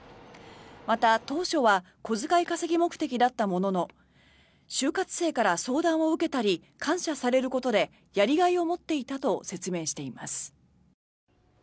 また、当初は小遣い稼ぎ目的だったものの就活生から相談を受けたり感謝されることでやりがいを持っていたと説明しています。